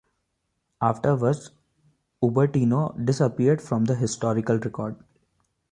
Afterwards, Ubertino disappeared from the historical record.